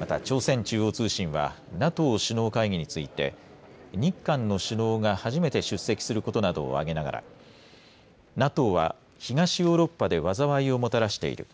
また朝鮮中央通信はＮＡＴＯ首脳会議について日韓の首脳が初めて出席することなどを挙げながらＮＡＴＯは東ヨーロッパで災いをもたらしている。